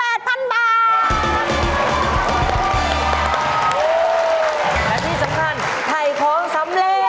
และที่สำคัญถ่ายของสำเร็จ